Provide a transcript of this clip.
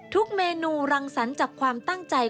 เมนูรังสรรค์จากความตั้งใจ